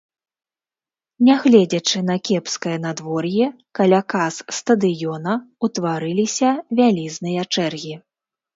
Нягледзячы на кепскае надвор'е, каля кас стадыёна ўтварыліся вялізныя чэргі.